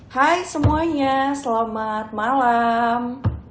hai semuanya selamat malam